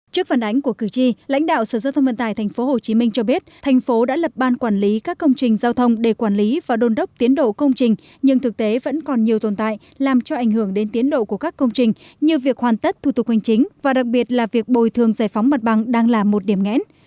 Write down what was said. trước phản ánh của cử tri lãnh đạo sở giao thông vận tải tp hcm cho biết thành phố đã lập ban quản lý các công trình giao thông để quản lý và đôn đốc tiến độ công trình nhưng thực tế vẫn còn nhiều tồn tại làm cho ảnh hưởng đến tiến độ của các công trình như việc hoàn tất thủ tục hành chính và đặc biệt là việc bồi thường giải phóng mặt bằng đang là một điểm nghẽn